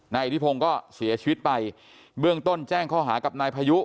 อิทธิพงศ์ก็เสียชีวิตไปเบื้องต้นแจ้งข้อหากับนายพายุ